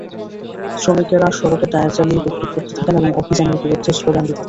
শ্রমিকেরা সড়কে টায়ার জ্বালিয়ে বিক্ষোভ করতে থাকেন এবং অভিযানের বিরুদ্ধে স্লোগান দিতে থাকেন।